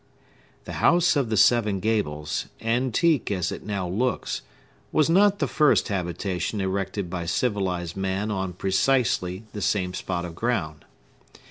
The House of the Seven Gables, antique as it now looks, was not the first habitation erected by civilized man on precisely the same spot of ground.